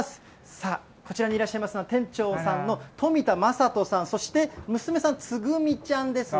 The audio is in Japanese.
さあ、こちらにいらっしゃいますのは、店長さんの富田將人さん、そして娘さん、つぐみちゃんですね。